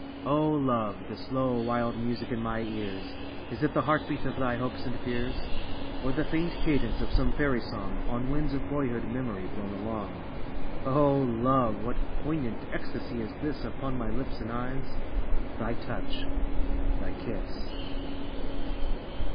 O Love, this low, wild music in my ears, Is it the heart beat of thy hopes and fears, Or the faint cadence of some fairy song On winds of boyhood memory blown along? O Love, what poignant ecstasy is this Upon my lips and eyes? Thy touch, thy kiss.